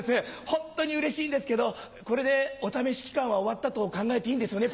ホントにうれしいんですけどこれでお試し期間は終わったと考えていいんですよね？